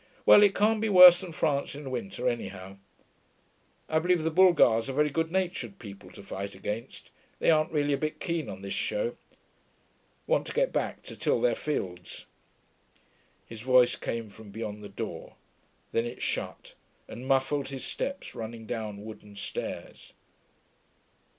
Well, it can't be worse than France in winter, anyhow. I believe the Bulgars are very good natured people to fight against; they aren't really a bit keen on this show.... Want to get back to till their fields....' His voice came from beyond the door. Then it shut, and muffled his steps running down wooden stairs.